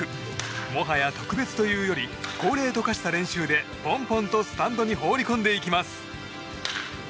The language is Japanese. もはや特別というより恒例と化した練習でポンポンとスタンドに放り込んでいきます。